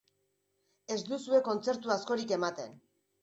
Ez duzue kontzertu askorik ematen.